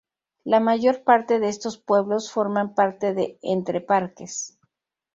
La mayor parte de estos pueblos forman parte de "Entre parques".